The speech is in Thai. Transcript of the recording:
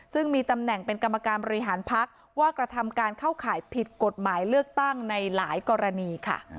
ซึ่งมีตำแหน่งเป็นกรรมการบริหารพักว่ากระทำการเข้าข่ายผิดกฎหมายเลือกตั้งในหลายกรณีค่ะ